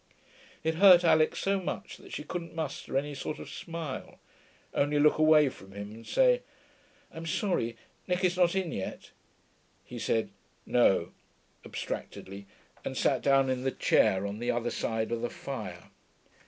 It hurt Alix so much that she couldn't muster any sort of smile, only look away from him and say, 'I'm sorry; Nicky's not in yet.' He said 'No,' abstractedly, and sat down in the chair on the other side of the fire.